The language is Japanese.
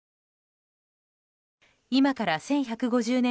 今から１１５０年